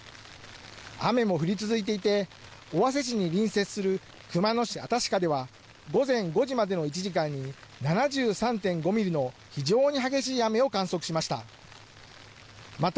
雨も降り続いていて、尾鷲市に隣接する熊野市新鹿では、午前５時までの１時間に、７３．５ミリの非常に激しい雨を観測しました。